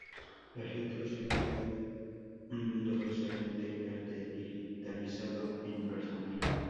Las letras reflejaban un mundo socialmente inerte, digitalizado e impersonal.